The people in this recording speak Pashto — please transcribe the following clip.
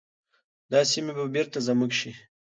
دا سیمي به بیرته زموږ شي.